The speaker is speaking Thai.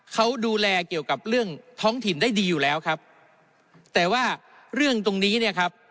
เขาดูแลเกี่ยวกับเรื่องท้องถิ่นได้ดีอยู่แล้วครับแต่ว่าเรื่องตรงนี้เนี่ยครับ